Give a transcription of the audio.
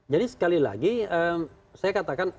jadi sekali lagi saya katakan